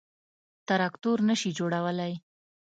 _تراکتور نه شي جوړولای.